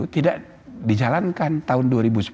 tidak di jalankan tahun dua ribu sepuluh